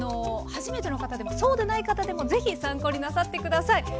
はじめての方でもそうでない方でも是非参考になさって下さい。